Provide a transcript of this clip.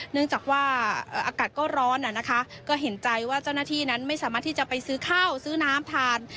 เนื่องจากว่าอากาศก็ร้อนก็เห็นใจว่าเจ้าหน้าที่นั้นไม่สามารถที่จะไปซื้อข้าวซื้อน้ำทาน